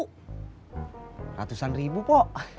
ratu ratusan ribu pok